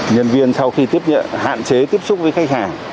nhân viên sau khi tiếp nhận hạn chế tiếp xúc với khách hàng